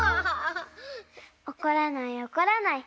おこらないおこらない。